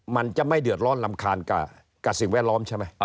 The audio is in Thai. มันจะไม่เดือดร้อนรำคาญกับสิ่งแวดล้อมใช่ไหม